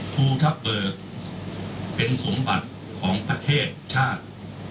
ภูทับเบิกเป็นสมบัติของประเทศชาติ